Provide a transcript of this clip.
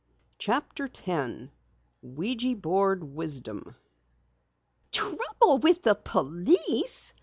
CHAPTER 10 OUIJA BOARD WISDOM "Trouble with the police!"